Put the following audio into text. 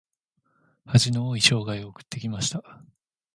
恥の多い生涯を送ってきました。